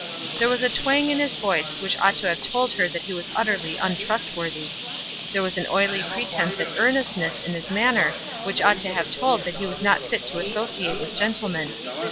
There was a twang in his voice which ought to have told her that he was utterly untrustworthy. There was an oily pretence at earnestness in his manner which ought to have told that he was not fit to associate with gentlemen.